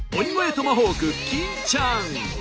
トマホーク金ちゃん。